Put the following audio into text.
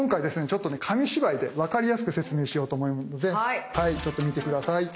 ちょっとね紙芝居でわかりやすく説明しようと思うのでちょっと見て下さい。